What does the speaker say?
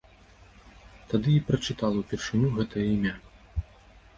Тады і прачытала ўпершыню гэтае імя.